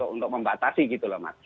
untuk membatasi gitu loh mas